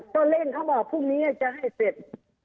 ก็เล่นเขาบอกพรุ่งนี้จะให้เสร็จ